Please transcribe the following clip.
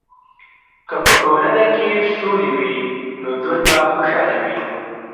که په ټولنه کې سولې وي، نو ژوند به خوشحاله وي.